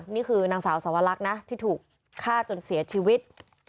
นี่คือนางสาวสวรรคนะที่ถูกฆ่าจนเสียชีวิต